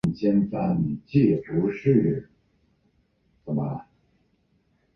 古培雷火山遗骸目前仍在火山北部。